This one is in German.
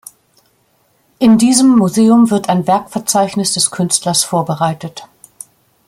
In diesem Museum wird ein Werkverzeichnis des Künstlers vorbereitet.